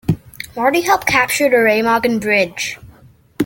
Marty helped capture the Remagen Bridge.